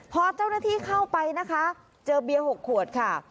พอเจ้าหน้าที่เข้าไปนะคะเจอเบียร์๖ขวดค่ะ